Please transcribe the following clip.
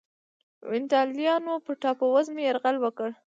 ونډالیانو پر ټاپو وزمې یرغل وکړ.